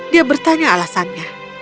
dia bertanya alasannya